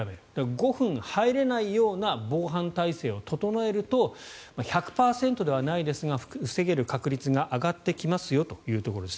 ５分入れないような防犯体制を整えると１００％ではないですが防げる確率が上がってきますよというところです。